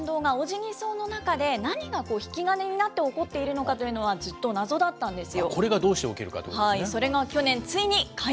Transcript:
しかしこの運動が、オジギソウの中で何が引き金になって起こっているのかというのは、ずっとなぞだったんですよ。